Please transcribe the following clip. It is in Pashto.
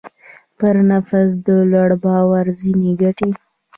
پر نفس د لوړ باور ځينې ګټې.